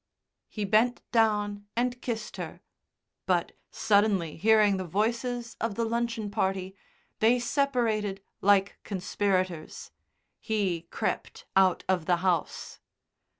He bent down and kissed her, but, suddenly hearing the voices of the luncheon party, they separated like conspirators. He crept out of the house.